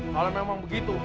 kalau memang begitu